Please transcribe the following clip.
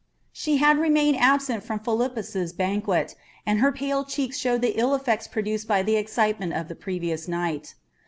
She had remained absent from Philippus's banquet, and her pale cheeks showed the ill effects produced by the excitement of the previous night.